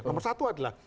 nomor satu adalah